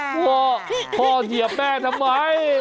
พ่อพ่อเหยียบแม่ทำไม